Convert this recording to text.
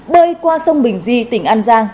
bơi qua sông bình di tỉnh an giang